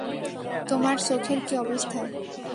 তোমার চোখের কী অবস্থা?